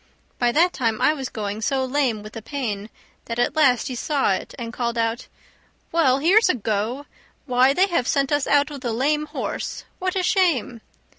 By that time I was going so lame with the pain that at last he saw it, and called out, "Well, here's a go! Why, they have sent us out with a lame horse! What a shame!"